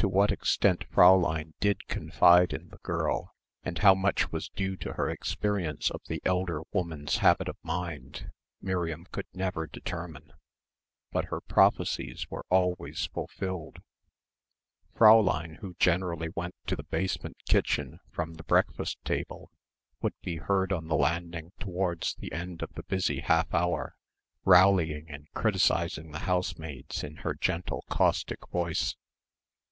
To what extent Fräulein did confide in the girl and how much was due to her experience of the elder woman's habit of mind Miriam could never determine. But her prophecies were always fulfilled. Fräulein, who generally went to the basement kitchen from the breakfast table, would be heard on the landing towards the end of the busy half hour, rallying and criticising the housemaids in her gentle caustic voice.